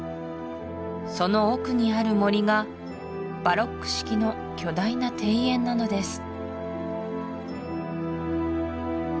その奥にある森がバロック式の巨大な庭園なのです